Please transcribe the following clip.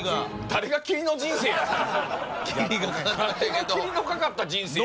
誰が霧のかかった人生や！